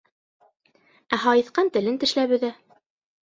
Ә һайыҫҡан телен тешләп өҙә.